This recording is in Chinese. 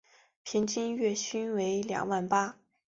平均月薪为两万八